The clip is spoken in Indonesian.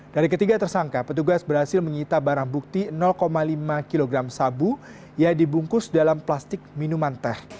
dari ketiga tersangka petugas berhasil menyita barang bukti lima kg sabu yang dibungkus dalam plastik minuman teh